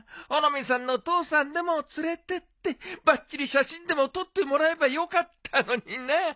穂波さんの父さんでも連れてってバッチリ写真でも撮ってもらえばよかったのにな。